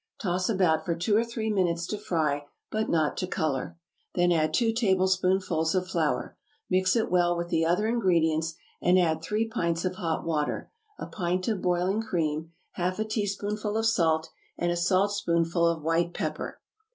Toss about for two or three minutes to fry, but not to color; then add two tablespoonfuls of flour. Mix it well with the other ingredients, and add three pints of hot water, a pint of boiling cream, half a teaspoonful of salt, and a saltspoonful of white pepper.